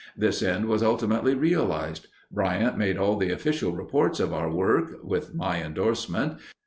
This end was ultimately realized. Bryant made all the official reports of our work (with my endorsement).